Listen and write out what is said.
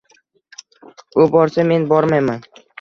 U borsa, men bormayman.